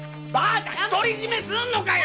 独り占めするのかよ